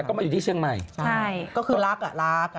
แต่เขามาอยู่ที่เชียงใหม่ก็คือรักอ่ะรัก